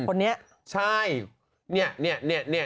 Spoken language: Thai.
คนนี้ใช่เนี่ย